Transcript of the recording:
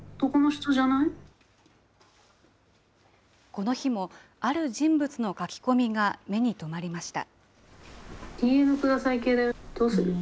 この日も、ある人物の書き込みが目に留まりました。